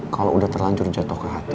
kalau udah terlanjur jatuh ke hati